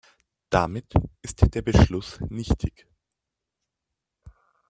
Damit ist der Beschluss nichtig.